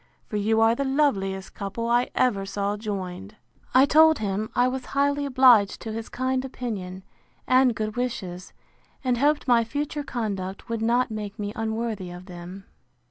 for you are the loveliest couple I ever saw joined. I told him, I was highly obliged to his kind opinion, and good wishes; and hoped my future conduct would not make me unworthy of them.